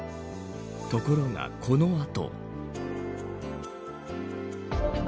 ところがこの後。